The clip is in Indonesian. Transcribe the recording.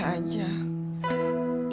saya maunya teh aja